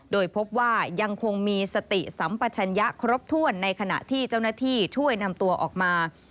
โดยพบว่ายังคงมีสติสัมปัชญะครบถ้วนในขณะที่เจ้าหน้าที่ช่วยนำตัวออกมา